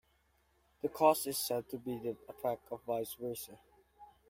The cause is said to be the effect and vice versa.